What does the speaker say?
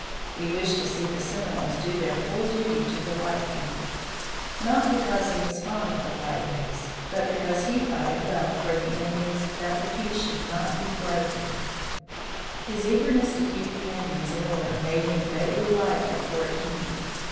He wished to see the Seminoles do their full duty to the white people, not because he was fond of the white race, but because he thought it well for the Indians that the peace should not be broken. [Illustration: OSCEOLA] His eagerness to keep the Indians in order made him greatly liked at Fort King.